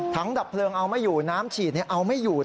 ดับเพลิงเอาไม่อยู่น้ำฉีดเอาไม่อยู่